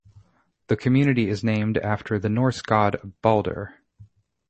The community is named after the Norse god Baldur.